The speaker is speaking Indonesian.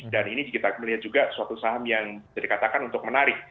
dan ini kita melihat juga suatu saham yang dikatakan untuk menarik